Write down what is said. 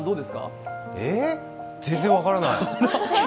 全然分からない。